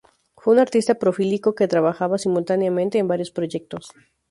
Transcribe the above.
Fue un artista prolífico que trabajaba simultáneamente en varios proyectos.